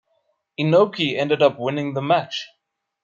Inoki ended up winning the match.